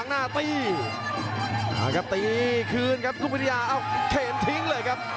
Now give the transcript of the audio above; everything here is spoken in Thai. โหโหโหโหโห